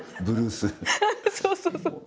そうそう、そう。